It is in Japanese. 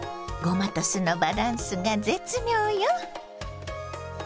ごまと酢のバランスが絶妙よ。